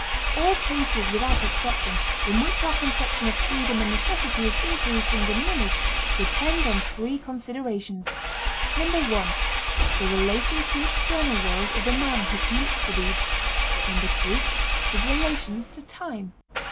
All cases without exception in which our conception of freedom and necessity is increased and diminished depend on three considerations: (1) The relation to the external world of the man who commits the deeds. (2) His relation to time.